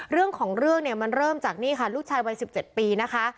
เรื่องของเรื่องเนี่ยมันเริ่มจากนี่ค่ะลูกชายวัย๑๗ปีนะคะ